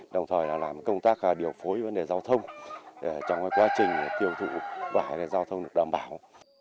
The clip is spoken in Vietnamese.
đồng thời là làm công tác điều phối vấn đề giao thông trong quá trình tiêu thụ vải giao thông được đảm bảo